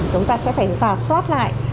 chúng ta sẽ phải giả soát lại